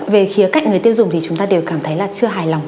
về khía cạnh người tiêu dùng thì chúng ta đều cảm thấy là chưa hài lòng